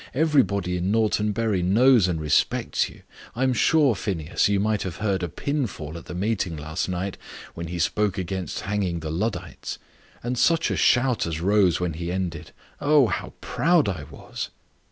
Everybody in Norton Bury knows and respects you. I am sure, Phineas, you might have heard a pin fall at the meeting last night when he spoke against hanging the Luddites. And such a shout as rose when he ended oh, how proud I was!"